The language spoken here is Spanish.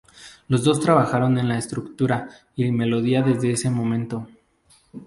Los dos trabajaron en la estructura y melodía desde ese momento.